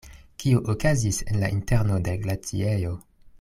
Kio okazis en la interno de l' glaciejo?